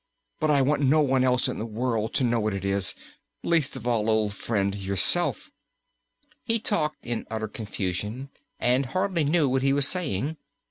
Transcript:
But I want no one else in the whole world to know what it is least of all, old friend, yourself." He talked in utter confusion, and hardly knew what he was saying.